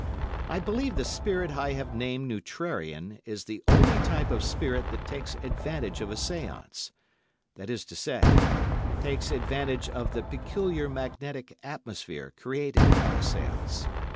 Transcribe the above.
I believe the spirit I have named neutrarian is the only type of spirit that takes advantage of a séance, that is to say, takes advantage of the peculiar magnetic atmosphere created at a séance.